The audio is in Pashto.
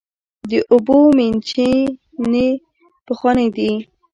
د اوبو میچنې پخوانۍ دي.